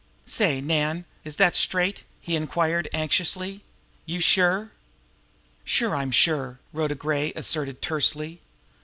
"Say, Nan, is that straight?" he inquired anxiously. "You sure?" "Sure, I'm sure!" Rhoda Gray asserted tersely.